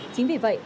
chính vì vậy